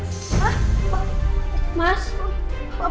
gak bisa berjalan